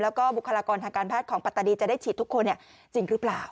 แล้วก็บุคลากรทางการแพทย์ของปัตตาดีจะได้ฉีดทุกคนจริงหรือเปล่า